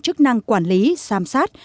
chức năng quản lý giám sát